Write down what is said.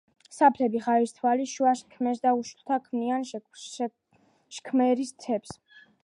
სოფლები ხარისთვალი, შუა შქმერი და უშოლთა ქმნიან შქმერის თემს.